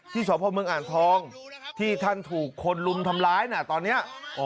ที่สำหรับเมืองอ่านทองที่ท่านถูกคนลุนทำร้ายน่ะตอนนี้